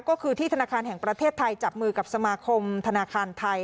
ก็คือที่ธนาคารแห่งประเทศไทยจับมือกับสมาคมธนาคารไทย